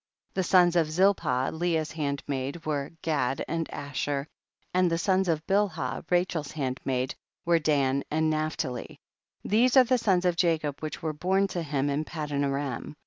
18. The sons of Zilpah, Leah's handmaid, were Gad and Asher, and the sons of Bilhah, Rachel's handmaid, were Dan and Naphtali; these are the sons of Jacob which were born to him in Padan aram.